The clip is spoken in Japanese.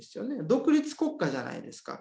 独立国家じゃないですか。